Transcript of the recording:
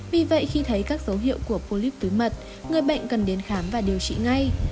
vì vậy khi thấy các dấu hiệu của polip tứ mật người bệnh cần đến khám và điều trị ngay